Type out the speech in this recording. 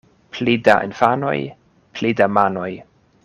Pli da infanoj, pli da manoj.